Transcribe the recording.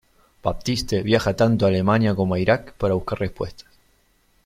Baptiste viaja tanto a Alemania como a Iraq para buscar respuestas.